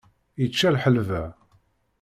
Ičča lḥelba.